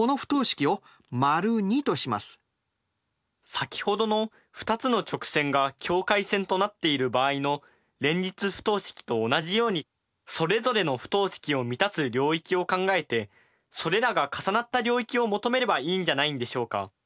先ほどの２つの直線が境界線となっている場合の連立不等式と同じようにそれぞれの不等式を満たす領域を考えてそれらが重なった領域を求めればいいんじゃないんでしょうか。